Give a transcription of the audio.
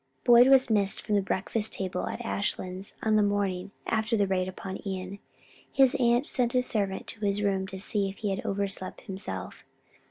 Boyd was missed from the breakfast table at Ashlands on the morning after the raid upon Ion. His aunt sent a servant to his room to see if he had overslept himself.